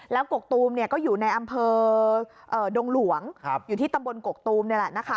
แล้วกกตูมก็อยู่ในอำเภอดงหลวงอยู่ที่ตำบลกกตูมนี่แหละนะคะ